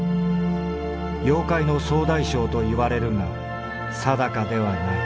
妖怪の総大将といわれるが定かではない」。